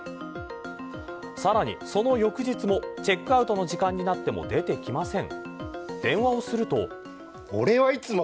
さらに、その翌日もチェックアウトの時間になっても出てきません。